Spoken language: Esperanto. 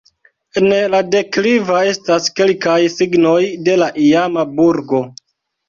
En la dekliva estas kelkaj signoj de la iama burgo.